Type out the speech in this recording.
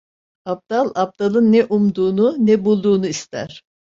Abdal abdalın ne umduğunu, ne bulduğunu ister.